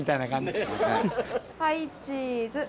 はいチーズ。